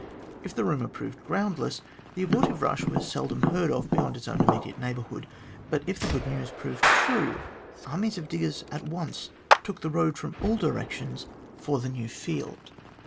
If the rumour proved groundless, the abortive rush was seldom heard of beyond its own immediate neighbourhood, but if the good news proved true, armies of diggers at once took the road from all directions for the new field.